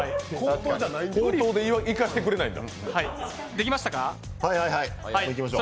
口頭でいかせてくれないんだ。